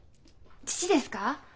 父ですか？